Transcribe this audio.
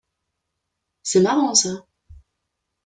C’est marrant ça.